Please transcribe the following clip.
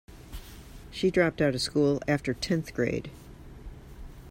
She dropped out of school after tenth grade.